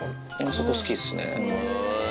そこ、好きっすね。